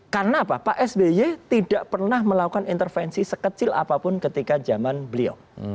karena apa pak sby tidak pernah melakukan intervensi sekecil apapun ketika zaman beliau